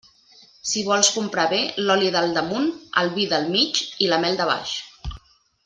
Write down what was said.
Si vols comprar bé, l'oli del damunt, el vi del mig i la mel de baix.